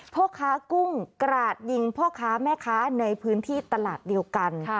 พ่อค้ากุ้งกราดยิงพ่อค้าแม่ค้าในพื้นที่ตลาดเดียวกัน